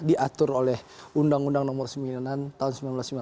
diatur oleh undang undang nomor sembilan tahun seribu sembilan ratus sembilan puluh delapan